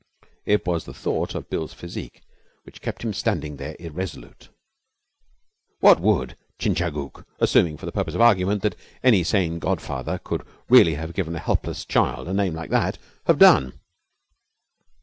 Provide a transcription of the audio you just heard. It was the thought of Bill's physique which kept him standing there irresolute. What would Chingachgook assuming, for purposes of argument, that any sane godfather could really have given a helpless child a name like that have done?